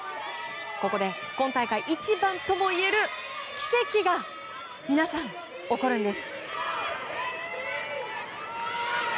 ここで、今大会一番ともいえる奇跡が皆さん、起こるんです。